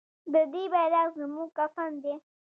د دې بیرغ زموږ کفن دی؟